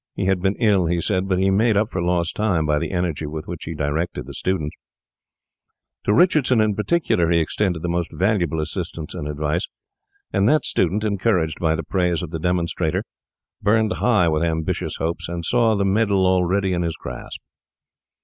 He had been ill, he said; but he made up for lost time by the energy with which he directed the students. To Richardson in particular he extended the most valuable assistance and advice, and that student, encouraged by the praise of the demonstrator, burned high with ambitious hopes, and saw the medal already in his grasp.